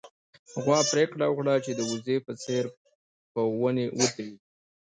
غوا پرېکړه وکړه چې د وزې په څېر په ونې ودرېږي.